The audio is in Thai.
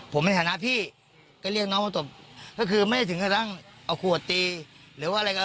ผมในฐานะพี่ก็เรียกน้องมาตบก็คือไม่ได้ถึงกระทั่งเอาขวดตีหรือว่าอะไรก็